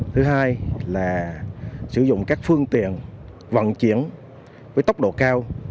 thứ hai là sử dụng các phương tiện vận chuyển với tốc độ cao